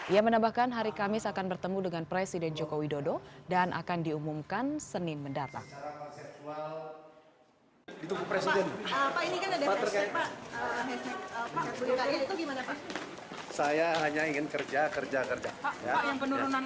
ia menambahkan hari kamis akan bertemu dengan presiden joko widodo dan akan diumumkan senin mendatang